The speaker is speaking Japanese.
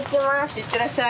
いってらっしゃい。